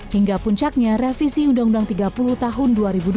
hingga puncaknya revisi undang undang tiga puluh tahun dua ribu dua